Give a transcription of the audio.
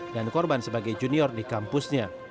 dan korban sebagai junior di kampusnya